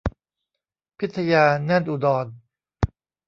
พิทยา แน่นอุดร